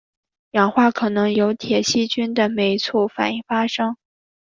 氧化可能经由铁细菌的酶促反应发生。